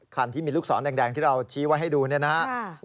คันที่มีลูกศรแดงที่เราชี้ไว้ให้ดูเนี่ยนะครับ